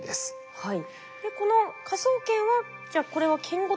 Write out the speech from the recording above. はい。